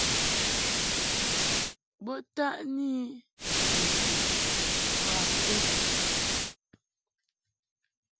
Bo taʼni I ni bə boa ŋgwɛd.